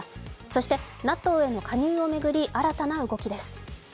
そして、ＮＡＴＯへの加入を巡り新たな動きです。